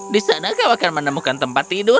di sana kau akan menemukan tempat tidur